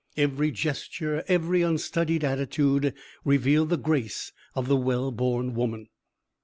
Every gesture, every unstudied attitude, revealed the grace of the well born woman.